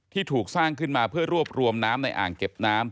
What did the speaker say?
ถูกสร้างขึ้นมาเพื่อรวบรวมน้ำในอ่างเก็บน้ำ